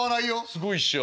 すごいっしょ。